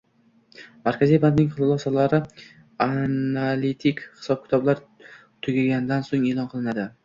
Markaziy bankning xulosalari analitik hisob -kitoblar tugagandan so'ng e'lon qilinadi